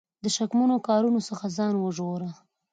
د شکمنو کارونو څخه ځان وژغوره.